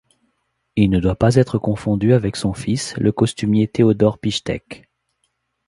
Il ne doit pas être confondu avec son fils, le costumier Theodor Pištěk.